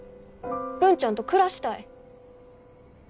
文ちゃんと暮らしたい。